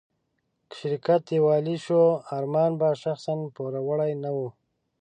که شرکت ډيوالي شو، ارمان به شخصاً پوروړی نه و.